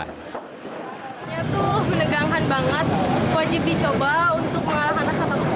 ini tuh menegangkan banget